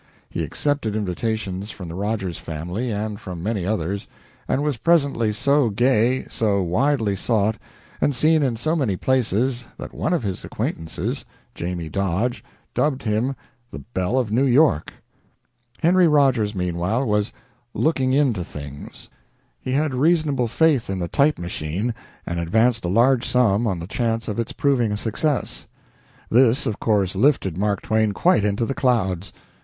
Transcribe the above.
He accepted invitations from the Rogers family and from many others, and was presently so gay, so widely sought, and seen in so many places that one of his acquaintances, "Jamie" Dodge, dubbed him the "Belle of New York." Henry Rogers, meanwhile, was "looking into things." He had reasonable faith in the type machine, and advanced a large sum on the chance of its proving a success. This, of course, lifted Mark Twain quite into the clouds.